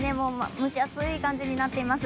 蒸し暑い感じになっています。